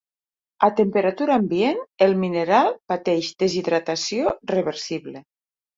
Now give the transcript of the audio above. A temperatura ambient el mineral pateix deshidratació reversible.